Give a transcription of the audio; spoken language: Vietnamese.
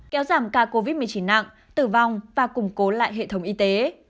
kéo giảm ca covid một mươi chín nặng tử vong và củng cố lại hệ thống y tế